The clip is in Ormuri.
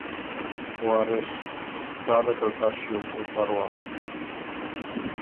وارث: څالت ال تر ݭیوک او تر وخت